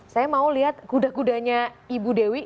saya mau lihat kuda kudanya ibu dewi